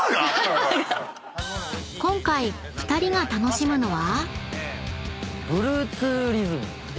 ［今回２人が楽しむのは？］